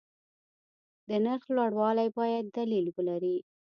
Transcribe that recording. د نرخ لوړوالی باید دلیل ولري.